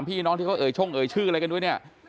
พี่น้องที่เขาเอ่ยช่งเอ่ยชื่ออะไรกันด้วยเนี่ย